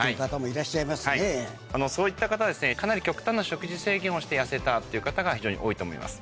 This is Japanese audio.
そういった方はかなり極端な食事制限をして痩せたっていう方が非常に多いと思います。